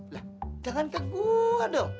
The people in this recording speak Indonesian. lah jangan ke gue dong